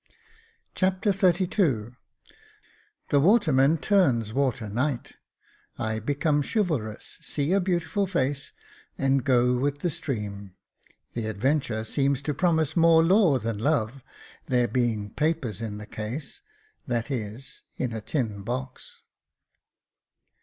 Chapter XXXII The waterman turns water knight — I become chivalrous, see a beautiful face, and go with the stream — The adventure seems to promise more law than love, there being papers in the case, that is, in a tin box.